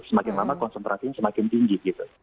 semakin lama konsentrasinya semakin tinggi gitu